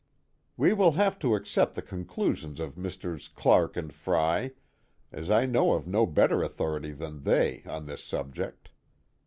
We will have to accept the conclusions of Messrs. Clark and Frey, as I know of no better authority than they on this subject.